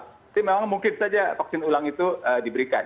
jadi memang mungkin saja vaksin ulang itu diberikan